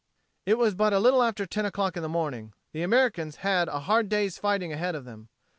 It was but a little after ten o'clock in the morning. The Americans had a hard day's fighting ahead of them.